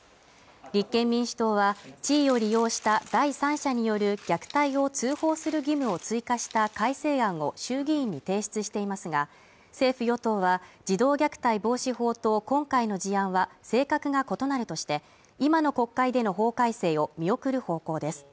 立憲民主党は、地位を利用した第三者による虐待を通報する義務を追加した改正案を衆議院に提出していますが、政府・与党は、児童虐待防止法と今回の事案は性格が異なるとして今の国会での法改正を見送る方向です。